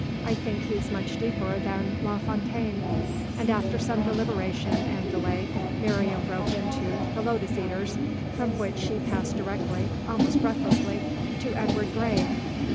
I think he's much deeper than La Fontaine"; and after some deliberation and delay Miriam broke into "The Lotus Eaters," from which she passed directly, almost breathlessly, to "Edward Gray."